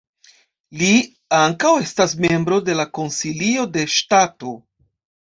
Li ankaŭ estas membro de la Konsilio de Ŝtato.